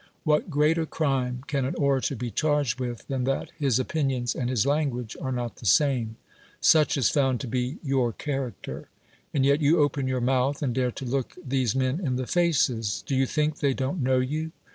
What greater crime can an orator be charged with than that his opinions and his language are not the same ? Such is found to be your character. And yet you open your mouth, and dare to look these men in the faces ! Do you think they don't know you?